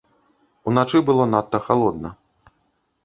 Уначы было надта халодна.